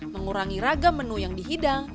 mengurangi ragam menu yang dihidang